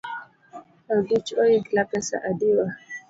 Aguch oyigla pesa adiwa.